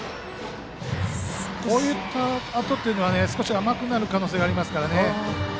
こういったあとは少し甘くなる可能性があります。